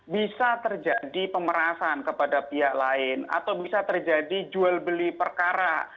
bisa terjadi pemerasan kepada pihak lain atau bisa terjadi jual beli perkara